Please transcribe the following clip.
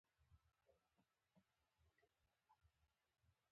وزې له باراني ورځو تښتي